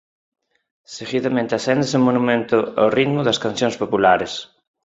Seguidamente acéndese o monumento ao ritmo de cancións populares.